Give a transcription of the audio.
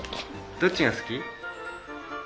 どっちが好き？